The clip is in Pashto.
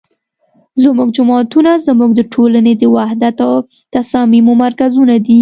زمونږ جوماتونه زمونږ د ټولنې د وحدت او تصاميمو مرکزونه دي